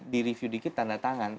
di review dikit tanda tangan